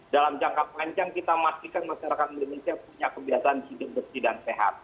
dalam jangka panjang kita memastikan masyarakat indonesia punya kebiasaan hidup bersih dan sehat